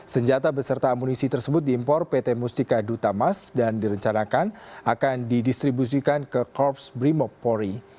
senjata beserta amunisi tersebut diimpor pt mustika dutamas dan direncanakan akan didistribusikan ke korps brimob polri